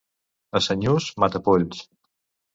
A Senyús, matapolls.